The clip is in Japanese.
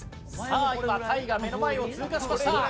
さあ今たいが目の前を通過しました！